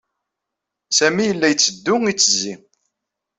Sami yella itteddu, ittezzi.